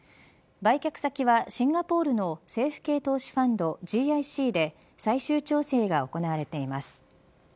売却先はシンガポールの政府系投資ファンドＧＩＣで最終調整が行われています。